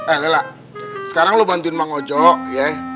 eh laila sekarang lu bantuin bang ojo ya